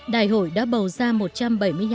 đại hội đã bầu ra một trăm bảy mươi năm đại biểu